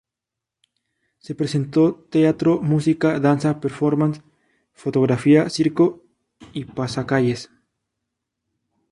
Se presentó teatro, música, danza, performance, fotografía, circo y pasacalles.